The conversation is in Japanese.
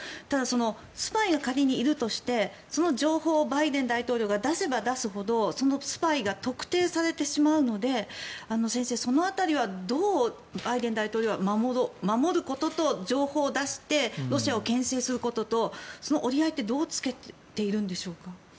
ただ、スパイが仮にいるとしてその情報をバイデン大統領が出せば出すほどそのスパイが特定されてしまうので先生、その辺りはどうバイデン大統領は守ることと情報を出してロシアをけん制することと折り合いってどうつけているんでしょうか。